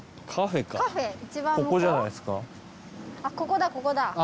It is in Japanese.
あっここだここだ。